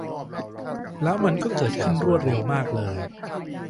แล้วมันก็เกิดขึ้นเร็วมากเลย